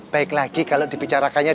baik lagi kalau dibicarakannya